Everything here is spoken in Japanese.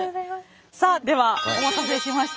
さあではお待たせしました。